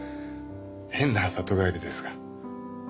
変な里帰りですが。